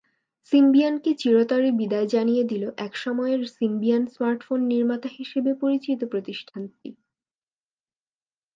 সিমবিয়ানকে চিরতরে বিদায় জানিয়ে দিল একসময়ের সিমবিয়ান স্মার্টফোন নির্মাতা হিসেবে পরিচিত প্রতিষ্ঠানটি।